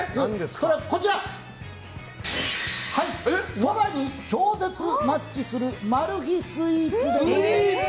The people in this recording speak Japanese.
それは、そばに超絶マッチするマル秘スイーツ。